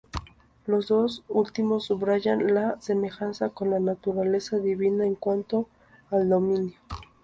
Los dos últimos subrayan la semejanza con la naturaleza divina en cuanto al dominio.